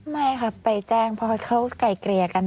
ไม่ค่ะไปแจ้งเพราะเขาไก่เกลี่ยกัน